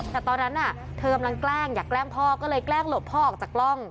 แต่ตอนนั้นเธอกำลังแกล้งอยากแกล้งพ่อก็เลยแกล้งหลบพ่อออกจากกล้อง